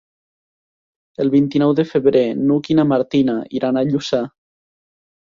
El vint-i-nou de febrer n'Hug i na Martina iran a Lluçà.